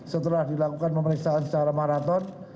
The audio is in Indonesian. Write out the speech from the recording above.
setelah dilakukan pemeriksaan secara maraton